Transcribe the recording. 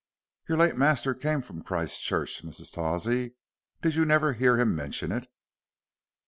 "Your late master came from Christchurch, Mrs. Tawsey. Did you never hear him mention it?"